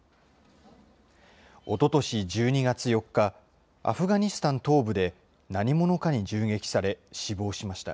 おととし１２月４日、アフガニスタン東部で何者かに銃撃され、死亡しました。